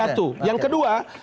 satu satu yang kedua